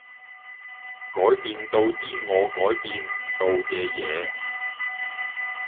改變到啲我改變唔到嘅嘢